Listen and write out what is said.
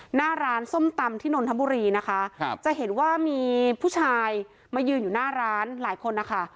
หน้าร้านส้มตำที่นนทบุรีนะคะครับจะเห็นว่ามีผู้ชายมายืนอยู่หน้าร้านหลายคนนะคะ